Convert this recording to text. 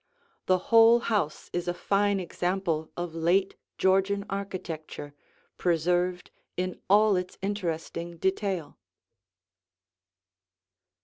The whole house is a fine example of late Georgian architecture, preserved in all its interesting detail.